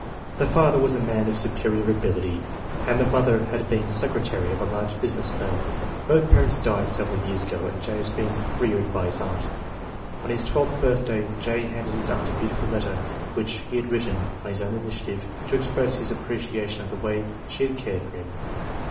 The father was a man of superior ability, and the mother had been secretary of a large business firm. Both parents died several years ago, and J. has been reared by his aunt. On his twelfth birthday J. handed his aunt a beautiful letter which he had written, on his own initiative, to express his appreciation of the way she had cared for him.